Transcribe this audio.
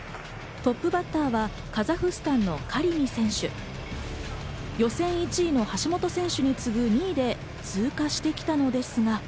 トップバッターはカザフスタンのカリミ選手、予選１位の橋本選手に次ぐ２位で通過してきたのですが。